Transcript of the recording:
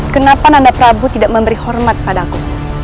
kenapa nanda prabu tidak memberi hormat padaku